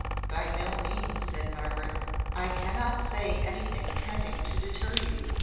"By no means," said Margaret. "I cannot say anything tending to deter you.